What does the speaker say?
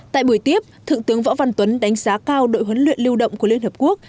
tại buổi tiếp thượng tướng võ văn tuấn đánh giá cao đội huấn luyện lưu động của liên hợp quốc